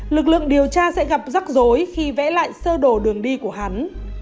lực lượng điều tra sẽ gặp rắc rối khi vẽ lại sơ đồ đường đi của hắn